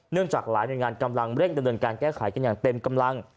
จากหลายหน่วยงานกำลังเร่งดำเนินการแก้ไขกันอย่างเต็มกำลัง